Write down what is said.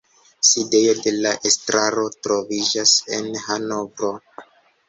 Sidejo de la estraro troviĝas en Hanovro.